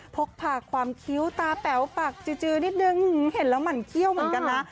พกผ่าความคิ้วตาแป๋วปากจือนิดนึงเห็นแล้วหมั่นเขี้ยวเหมือนกันนะ